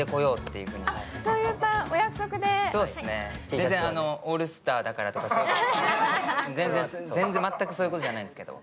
全然、オールスターだからとか全くそういうことじゃないんですけど。